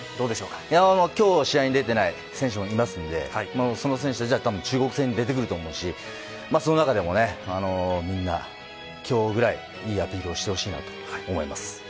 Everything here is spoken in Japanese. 今日試合に出ていない選手もいるのでその選手たちも中国戦に出てくると思いますしその中で今日ぐらいいいアピールをしてほしいなと思います。